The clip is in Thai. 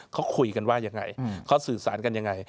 เขาคุยกันว่าอย่างไรเขาสื่อสารกันอย่างไร